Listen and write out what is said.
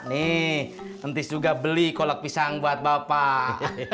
nih entis juga beli kolak pisang buat bapak